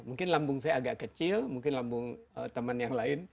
mungkin lambung saya agak kecil mungkin lambung teman yang lain